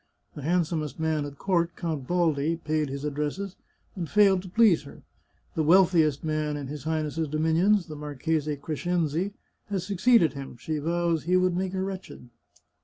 The handsomest man at court. Count Baldi, paid his addresses, and failed to please her. The wealthiest man in his Highness's dominions, the Mar chese Crescenzi, has succeeded him. She vows he would make her wretched."